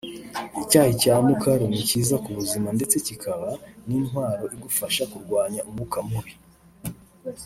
Icyayi cya mukaru ni cyiza ku buzima ndetse cyikaba n’intwaro igufasha kurwanya umwuka mubi